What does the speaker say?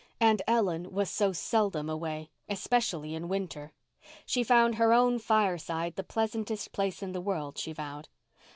And Ellen was so seldom away, especially in winter. She found her own fireside the pleasantest place in the world, she vowed.